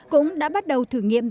cũng đã bắt đầu thử nghiệm